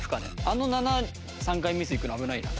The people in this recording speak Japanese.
あの７３回ミスいくの危ないな。